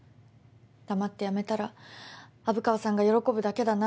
黙って辞めたら虻川さんが喜ぶだけだなとか。